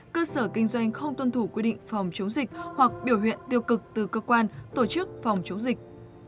cơ sở kinh doanh không tuân thủ quy định phòng chống dịch hoặc biểu hiện tiêu cực từ cơ quan tổ chức phòng chống dịch